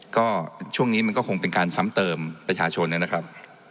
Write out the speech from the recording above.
ก็ช่วงนี้มันก็คงเป็นการซ้ำเติมประชาชนนะครับ